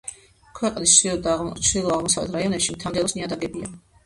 ქვეყნის ჩრდილო და ჩრდილო-აღმოსავლეთ რაიონებში მთა-მდელოს ნიადაგებია.